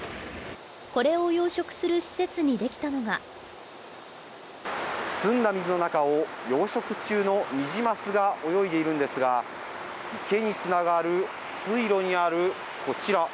これを養殖する施設にできたのが澄んだ水の中を養殖中のニジマスが泳いでいるんですが池につながる水路にあるこちら